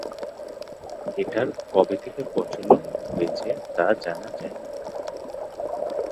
এটার কবে থেকে প্রচলন হয়েছে তা জানা যায়নি।